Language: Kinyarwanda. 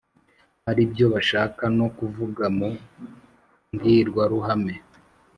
ari byo bashaka no kuvuga mu mbwirwaruhame.